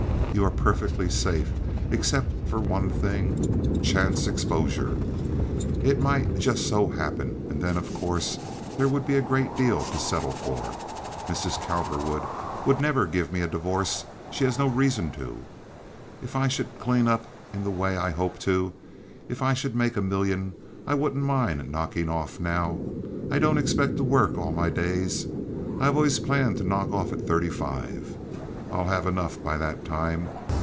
"You are perfectly safe, except for one thing, chance exposure. It might just so happen; and then, of course, there would be a great deal to settle for. Mrs. Cowperwood would never give me a divorce; she has no reason to. If I should clean up in the way I hope to—if I should make a million—I wouldn't mind knocking off now. I don't expect to work all my days. I have always planned to knock off at thirty five. I'll have enough by that time.